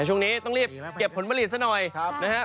ช่วงนี้ต้องรีบเก็บผลผลิตซะหน่อยนะครับ